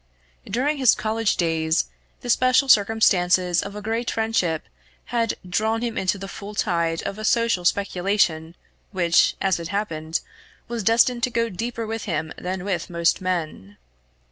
During his college days, the special circumstances of a great friendship had drawn him into the full tide of a social speculation which, as it happened, was destined to go deeper with him than with most men.